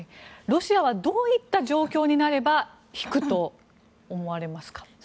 ロシアはどういった状況になれば引くと思われますか？